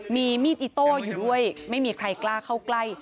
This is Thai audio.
มีมีดอิโต้อยู่ด้วยไม่มีใครกล้าเข้าใกล้